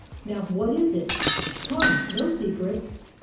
Now, what is it? Come, no secrets."